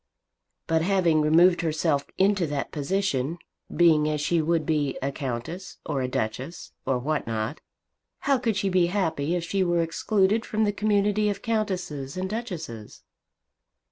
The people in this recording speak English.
"But having removed herself into that position, being as she would be, a Countess, or a Duchess, or what not, how could she be happy if she were excluded from the community of Countesses and Duchesses?"